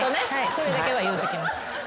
それだけは言うときます。